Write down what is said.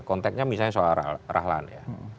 konteknya misalnya soal rahlan ya